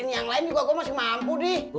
yang lain gue masih mampu